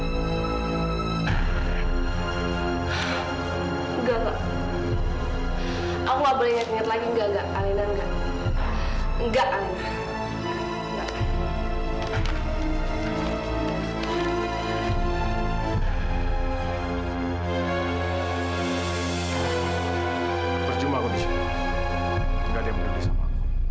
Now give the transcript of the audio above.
kembali ke amerika